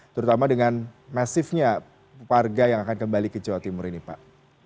terutama dengan masifnya warga yang akan kembali ke jawa timur ini pak